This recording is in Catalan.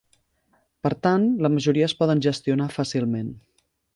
Per tant, la majoria es poden gestionar fàcilment.